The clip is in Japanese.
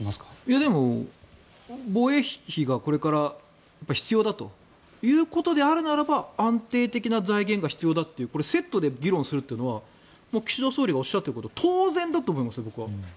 でも、防衛費がこれから必要だということであるならば安定的な財源が必要だというこれはセットで議論するというのは岸田総理がおっしゃっていることは当然だと思いますよ。